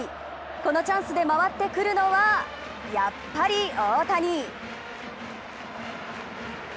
このチャンスで回ってくるのはやっぱり大谷。